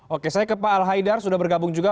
oke saya ke pak al haidar sudah bergabung juga